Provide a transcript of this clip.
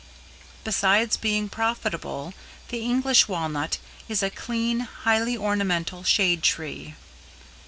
Besides being profitable, the English Walnut is a clean, highly ornamental shade tree.